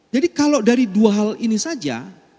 jadi kalau dari dua hal ini saja